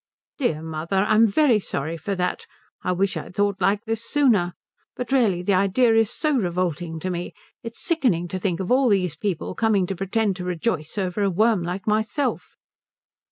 "Dear mother, I'm very sorry for that. I wish I'd thought like this sooner. But really the idea is so revolting to me it's so sickening to think of all these people coming to pretend to rejoice over a worm like myself."